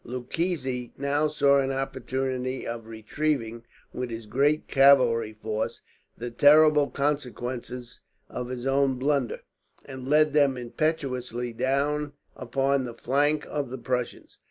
Lucchesi now saw an opportunity of retrieving, with his great cavalry force, the terrible consequences of his own blunder, and led them impetuously down upon the flank of the Prussians.